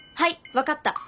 分かった。